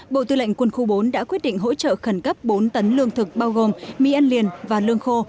bộ tư lệnh quân khu bốn đã quyết định hỗ trợ khẩn cấp bốn tấn lương thực bao gồm mì ăn liền và lương khô